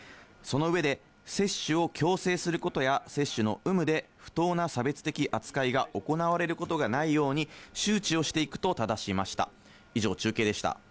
その上で、接種を強制することや、接種の有無で不当な差別的扱いが行われることがないように周知をしていくとただしました。